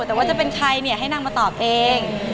แต่ว่าจะเป็นใครเนี่ยให้นางมาตอบเอง